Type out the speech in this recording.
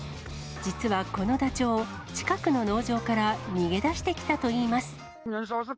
実はこのダチョウ、近くの農場から逃げ出してきたといいます。